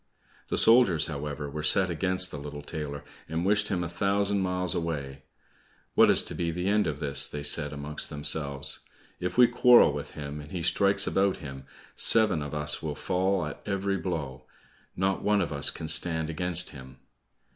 The soldiers, however, were set against the little tailor, and wished him a thousand miles away. "What is to be the end of this?" they said amongst themselves. "If we quarrel with him, and he strikes about him, seven of us will fall at every blow; not one of us can stand against him."